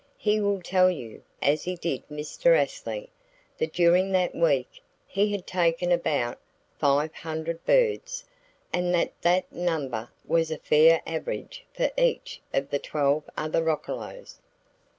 He will tell you, as he did Mr. Astley, that during that week he had taken about 500 birds, and that that number was a fair average for each of the 12 other roccolos.